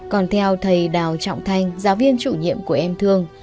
còn theo thầy đào trọng thanh giáo viên chủ nhiệm của em thương